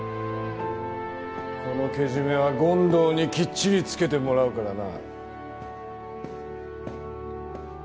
このけじめは権藤にきっちりつけてもらうからな。